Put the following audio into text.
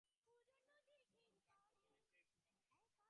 যখনকার যা তখন তাই শোভা পায়।